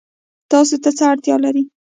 تاسو څه ته اړتیا لرئ؟